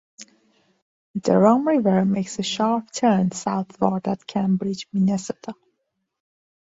The Rum River makes a sharp turn southward at Cambridge, Minnesota.